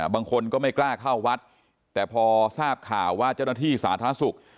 บางคนก็ไม่กล้าเข้าวัดแต่พอทราบข่าวว่าเจ้าหน้าที่สาธารณสุข